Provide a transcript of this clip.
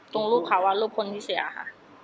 ตรงรูปค่ะว่ารูปคนที่เสียค่ะ